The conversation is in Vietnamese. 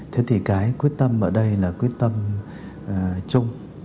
thế thì cái quyết tâm ở đây là quyết tâm chung